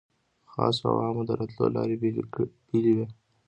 خاصو او عامو د راتلو لارې بېلې وې.